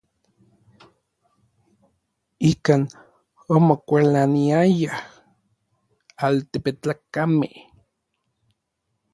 Ikan omokualaniayaj n altepetlakamej.